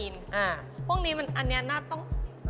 มันแปลง